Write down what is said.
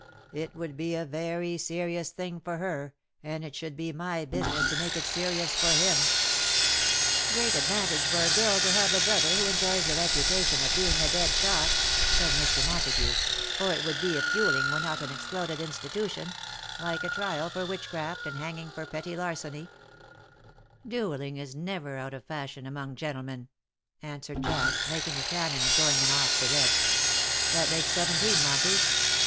It would be a very serious thing for her — and it should be my business to make it serious for him. "" WHO KNOWS NOT CIRCE ?" 267 " Great advantage for a girl to have a brother who enjoys the reputation of being a dead shot,'^ said Mr. Montagu, ^' or it would be if duelling were not an exploded institution — like trial for witchcraft, and hanging for petty larceny/^ " Duelling is never out of fashion_, among gentle men/'' answered Jack, making a cannon and going in off the red. ^'^That makes seventeen, Monty.